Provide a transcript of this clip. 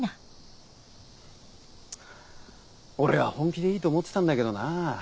俺は本気でいいと思ってたんだけどなぁ。